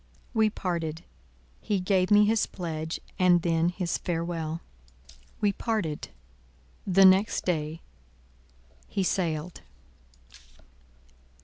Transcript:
We parted: he gave me his pledge, and then his farewell. We parted: the next day—he sailed.